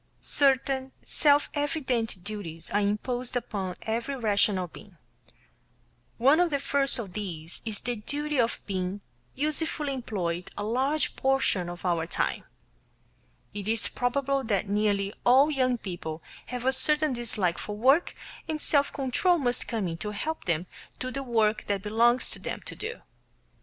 Certain self evident duties are imposed upon every rational being. One of the first of these is the duty of being usefully employed a large portion of our time. It is probable that nearly all young people have a certain dislike for work, and self control must come in to help them do the work that belongs to them to do.